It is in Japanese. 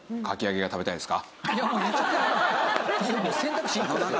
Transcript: かき揚げを食べたい？